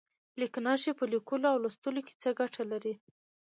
لیک نښې په لیکلو او لوستلو کې څه ګټه لري؟